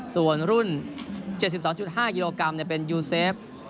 ส่วนรุ่นเจ็ดสิบสองจุดห้ากิโลกรัมเนี้ยเป็นยูเสฟ